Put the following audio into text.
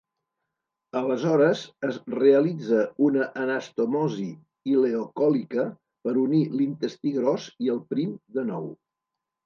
Aleshores, es realitza una anastomosi ileocòlica per unir l'intestí gros i el prim de nou.